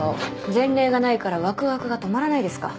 前例がないからワクワクが止まらないですか。